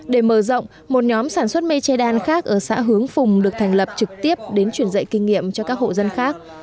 để mở rộng một nhóm sản xuất mây che đan khác ở xã hướng phùng được thành lập trực tiếp đến truyền dạy kinh nghiệm cho các hộ dân khác